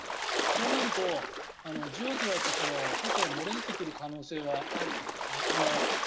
そうなるとじわじわと外へ漏れ出てくる可能性があると思うんですね。